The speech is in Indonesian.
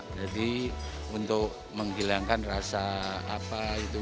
jadi untuk menghilangkan rasa apa itu